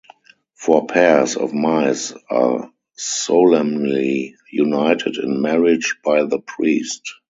Four pairs of mice are solemnly united in marriage by the priest.